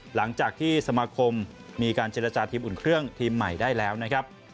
หลังจากที่สมาคมมีการเจรจาทีมอุ่นเครื่องทีมใหม่ได้แล้วนะครับ